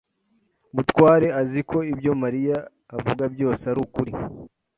Mutware azi ko ibyo Mariya avuga byose ari ukuri.